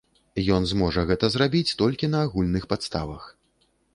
Ён зможа гэта зрабіць толькі на агульных падставах.